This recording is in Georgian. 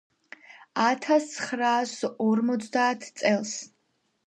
ათასცხრაასორმოცდაათ წელს